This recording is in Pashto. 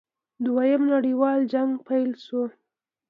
دویم نړیوال جنګ پیل شو.